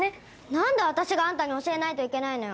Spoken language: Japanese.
何で私があんたに教えないといけないのよ。